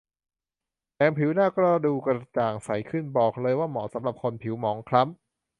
แถมผิวหน้าก็ดูกระจ่างใสขึ้น บอกเลยว่าเหมาะสำหรับคนผิวหมองคล้ำ